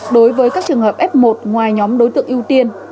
đối với các trường hợp f một ngoài nhóm đối tượng ưu tiên